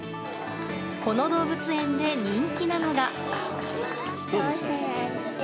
この動物園で人気なのが。